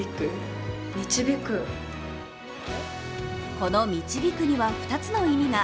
この「導」には２つの意味が。